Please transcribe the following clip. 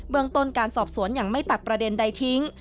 เมืองต้นการสอบสวนยังไม่ตัดประเด็นใดทิ้ง